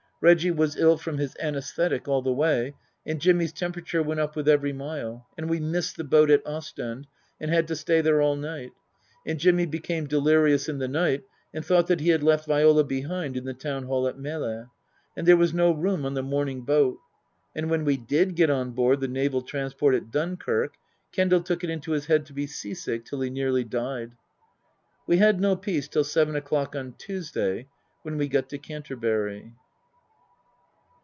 Reggie was ill from his anaesthetic all the way, and Jimmy's temperature went up with every mile, and we missed the boat at Ostend, and had to stay there all night ; and Jimmy became delirious in the night and thought that he had left Viola behind in the Town Hall at Melle. And there was no room on the morning boat ; and when we did get on board the Naval Transport at Dunkirk, Kendal took it into his head to be seasick till he nearly died. We had no peace till seven o'clock on Tuesday, when we got to Canterbury.